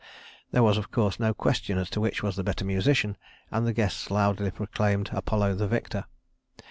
There was, of course, no question as to which was the better musician, and the guests loudly proclaimed Apollo the victor.